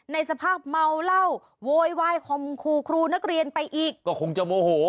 ในสภาพเมาเหล้าโวยวายคมครูครูนักเรียนไปอีกก็คงจะโมโห